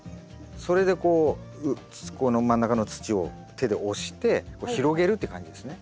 それでこうこの真ん中の土を手で押して広げるって感じですね。